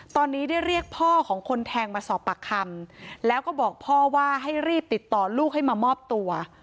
ตอนนี้ได้เรียกพ่อของคนแทงมาสอบปากคำแล้วก็บอกพ่อว่าให้รีบติดต่อลูกให้มามอบตัว